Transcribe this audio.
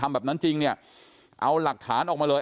แบบนั้นจริงเนี่ยเอาหลักฐานออกมาเลย